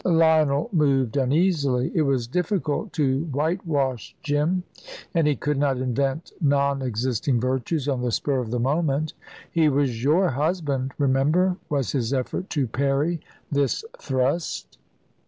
Lionel moved uneasily. It was difficult to whitewash Jim, and he could not invent non existing virtues on the spur of the moment. "He was your husband, remember," was his effort to parry this thrust.